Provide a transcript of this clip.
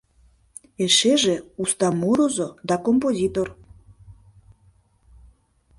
Эшеже — уста мурызо да композитор.